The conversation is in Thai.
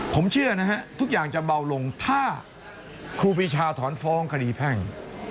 ผมเชื่อนะฮะทุกอย่างจะเบาลงถ้าครูปีชาถอนฟ้องคดีแพ่ง